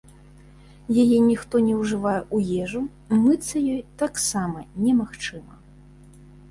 Яе ніхто не ўжывае ў ежу, мыцца ёй таксама немагчыма.